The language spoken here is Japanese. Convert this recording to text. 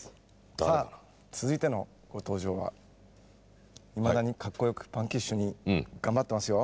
さあ続いてのご登場はいまだにかっこよくパンキッシュに頑張ってますよ。